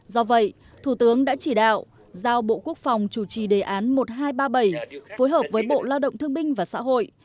do vậy thủ tướng đã chỉ đạo giao bộ quốc phòng chủ trì đề án một nghìn hai trăm ba mươi bảy phối hợp với bộ lao động thương binh và xã hội